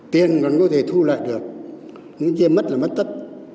tiền còn có thể thu lại được những chiếc mất là mất tất